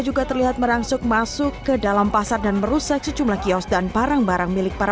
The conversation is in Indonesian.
juga terlihat merangsuk masuk ke dalam pasar dan merusak sejumlah kios dan barang barang milik para